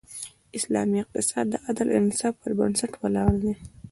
اسلامی اقتصاد د عدل او انصاف پر بنسټ ولاړ دی.